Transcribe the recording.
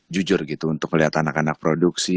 jujur gitu untuk melihat anak anak produksi